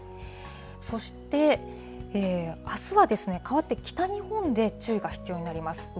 そしてあすは変わって北日本で注意が必要になります。